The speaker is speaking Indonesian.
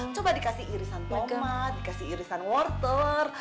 coba dikasih irisan tomat dikasih irisan wartel